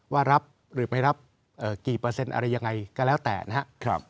ว่ารับหรือไม่รับกี่เปอร์เซ็นต์อะไรยังไงก็แล้วแต่นะครับ